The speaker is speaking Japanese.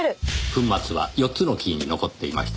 粉末は４つのキーに残っていました。